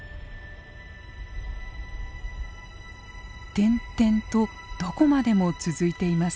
点々とどこまでも続いています。